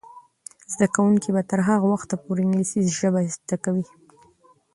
زده کوونکې به تر هغه وخته پورې انګلیسي ژبه زده کوي.